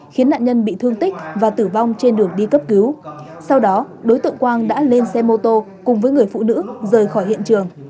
khiến nạn nhân bị thương tích và tử vong trên đường đi cấp cứu sau đó đối tượng quang đã lên xe mô tô cùng với người phụ nữ rời khỏi hiện trường